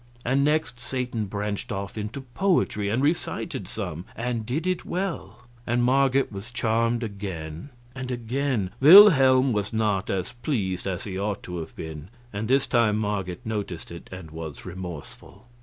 And next Satan branched off into poetry, and recited some, and did it well, and Marget was charmed again; and again Wilhelm was not as pleased as he ought to have been, and this time Marget noticed it and was remorseful.